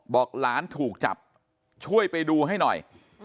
บอกหลานถูกจับช่วยไปดูให้หน่อย